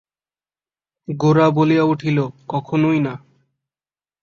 গোরা বলিয়া উঠিল, কখনোই না।